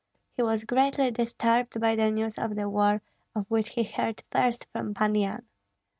He was greatly disturbed by news of the war, of which he heard first from Pan Yan.